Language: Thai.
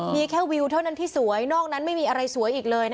มีแค่วิวเท่านั้นที่สวยนอกนั้นไม่มีอะไรสวยอีกเลย